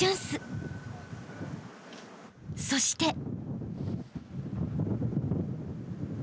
［そして］